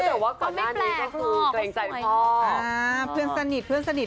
แต่ว่าก่อนหน้านี้ก็คือเกรงใจพ่อเพื่อนสนิทเพื่อนสนิท